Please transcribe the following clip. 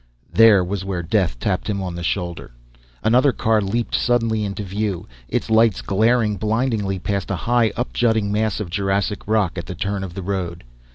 There was where Death tapped him on the shoulder. Another car leaped suddenly into view, its lights glaring blindingly past a high, up jutting mass of Jurassic rock at the turn of the road.